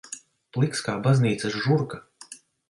Pliks kā baznīcas žurka.